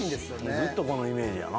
ずっとこのイメージやな。